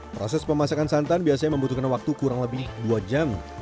proses pemasakan santan biasanya membutuhkan waktu kurang lebih dua jam